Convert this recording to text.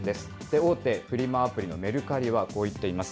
大手フリマアプリのメルカリは、こう言っています。